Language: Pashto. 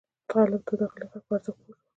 خلک د داخلي غږ په ارزښت پوه شول.